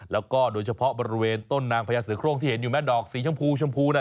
แล้วก็โดยเฉพาะบริเวณต้นนางพญาเสือโครงที่เห็นอยู่ไหมดอกสีชมพูชมพูน่ะ